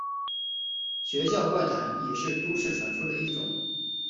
学校怪谈也是都市传说的一种。